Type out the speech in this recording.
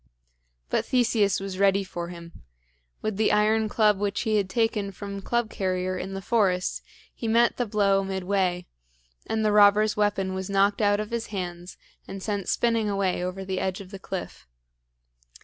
But Theseus was ready for him. With the iron club which he had taken from Club carrier in the forest he met the blow midway, and the robber's weapon was knocked out of his hands and sent spinning away over the edge of the cliff.